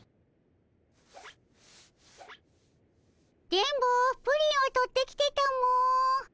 電ボプリンを取ってきてたも。